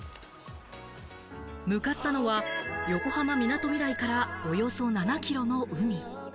向かったのは横浜・みなとみらいからおよそ７キロの海。